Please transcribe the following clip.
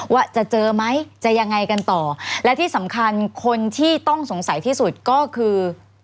ว่าจะเจอไหมจะยังไงกันต่อและที่สำคัญคนที่ต้องสงสัยที่สุดก็คือ